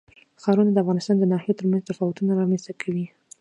ښارونه د افغانستان د ناحیو ترمنځ تفاوتونه رامنځ ته کوي.